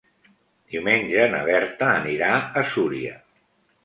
Diumenge na Berta anirà a Súria.